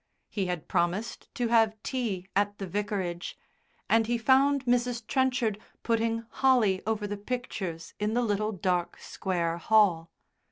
He had promised to have tea at the Vicarage, and he found Mrs. Trenchard putting holly over the pictures in the little dark square hall.